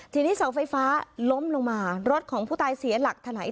ทีนี้เสาไฟฟ้าล้มลงมารถของผู้ตายเสียหลักถลาย